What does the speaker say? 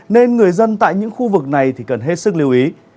nên người dân tại những khu vực này cần hết sức lưu ý